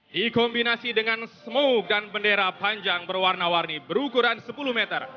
dikombinasi dengan smoke dan bendera panjang berwarna warni berukuran sepuluh meter